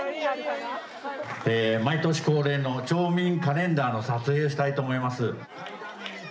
毎年恒例の町民カレンダーの撮影をしたいと思います。